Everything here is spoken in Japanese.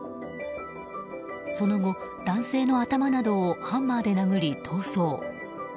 その後、男性の頭などをハンマーで殴り逃走。